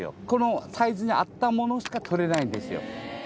このサイズに合ったものしか取れないんですよ。